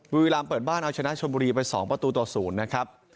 บุรีรำเปิดบ้านเอาชนะชนบุรีไป๒ประตูต่อ๐นะครับ